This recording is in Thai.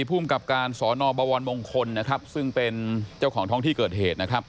มีภูมิกับการสนบวรมงคลซึ่งเป็นเจ้าของท้องที่เกิดเหตุ